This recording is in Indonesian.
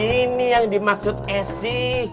ini yang dimaksud esi